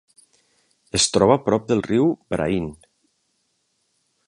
Es troba a prop del riu Brain.